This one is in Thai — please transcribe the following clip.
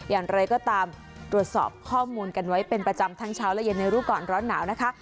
อย่างไรก็ตามตรวจสอบข้อมูลกันไว้เป็นประจำทั้งเช้าและเย็นในรู้ก่อนร้อนหนาวนะคะ